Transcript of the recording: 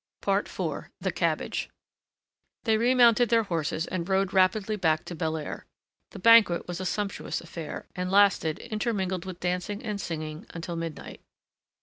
IV THE CABBAGE They remounted their horses, and rode rapidly back to Belair. The banquet was a sumptuous affair, and lasted, intermingled with dancing and singing, until midnight.